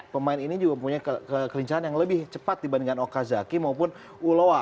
pemain ini juga punya kelincahan yang lebih cepat dibandingkan okazaki maupun uloa